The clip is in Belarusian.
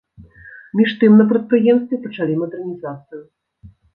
Між тым на прадпрыемстве пачалі мадэрнізацыю.